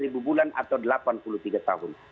satu bulan atau delapan puluh tiga tahun